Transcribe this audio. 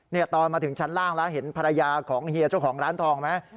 ตอนมาถึงชั้นล่างแล้วเห็นภรรยาของเฮียเจ้าของร้านทองไหม